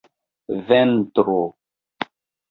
ventro